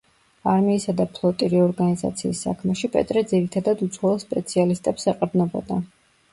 არმიისა და ფლოტი რეორგანიზაციის საქმეში პეტრე ძირითადად უცხოელ სპეციალისტებს ეყრდნობოდა.